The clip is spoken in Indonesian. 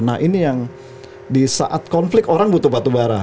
nah ini yang di saat konflik orang butuh batubara